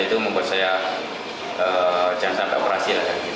itu membuat saya jangka operasi